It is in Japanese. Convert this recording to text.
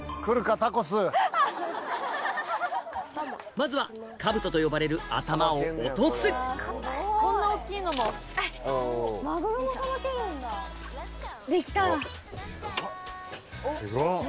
まずはカブトと呼ばれる頭を落とすできた！